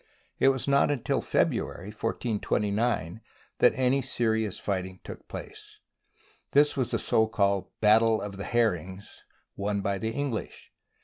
It was not until February, 1429, that any se rious fighting took place. This was the so called " Battle of the Herrings," won by the English.